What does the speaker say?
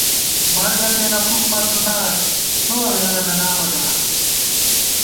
مرگہ پېنہ فُک مہ څُھوٹاس، څو اللہ نہ نامہ گا